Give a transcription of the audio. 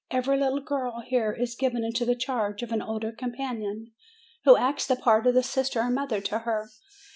Every little girl here is given into the charge of an older companion, who acts the part of sister or mother to her.